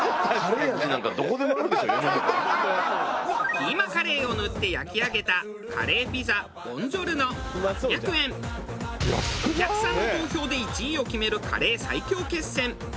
キーマカレーを塗って焼き上げたお客さんの投票で１位を決めるカレー最強決戦。